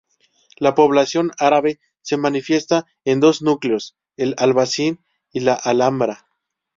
La población árabe se manifiesta en dos núcleos: el "Albaicín" y la "Alhambra".